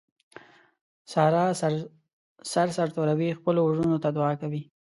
ساره سر سرتوروي خپلو ورڼو ته دعاکوي.